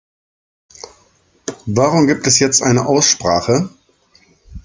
Warum gibt es jetzt eine Aussprache?